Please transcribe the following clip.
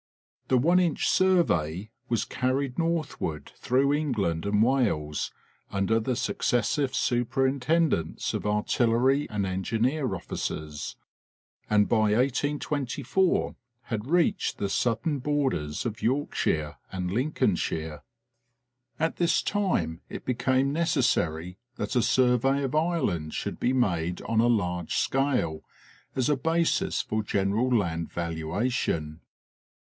The one inch survey was carried northward through England and Wales under the successive superintendence of artillery and engineer officers, and by 1824 had reached the southern borders of Yorkshire and Lincolnshire. At this time it became necessary that a survey of Ireland should be made on a large scale as a basis for general land valua tion.